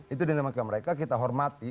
itu dinamika mereka kita hormati